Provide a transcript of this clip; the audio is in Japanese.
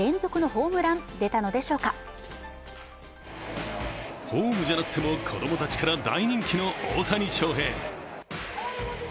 ホームじゃなくても、子供たちから大人気の大谷翔平。